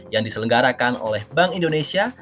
yang diselenggarakan oleh bank indonesia